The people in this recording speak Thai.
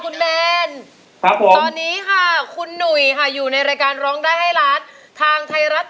เหนือรหะครับไม่มั่นใจตรงนี้รหะครับ